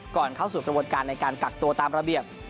ก่อนเข้าสู่กระบวนการในการกักตัวตามระเบียบ